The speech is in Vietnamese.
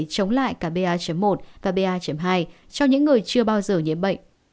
chống lại cả ba một và ba hai cho những người chưa bao giờ nhiễm bệnh